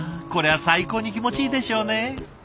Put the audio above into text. これは最高に気持ちいいでしょうね。